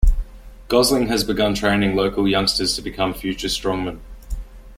Gosling has begun training local youngsters to become future strongmen.